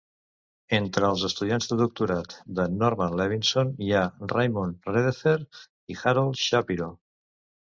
Entre els estudiants de doctorat de Norman Levinson hi ha Raymond Redheffer i Harold Shapiro.